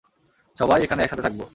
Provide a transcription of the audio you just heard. সবাই এখানে একসাথে থাকব।